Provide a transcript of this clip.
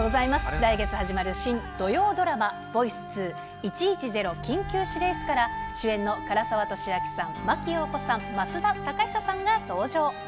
来月始まる新土曜ドラマ、ボイス２・１１０緊急指令室から、主演の唐沢寿明さん、真木ようこさん、増田貴久さんが登場。